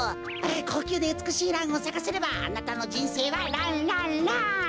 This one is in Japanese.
こうきゅうでうつくしいランをさかせればあなたのじんせいはランランラン！